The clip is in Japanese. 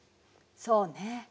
そうね。